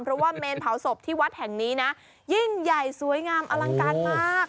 เพราะว่าเมนเผาศพที่วัดแห่งนี้นะยิ่งใหญ่สวยงามอลังการมาก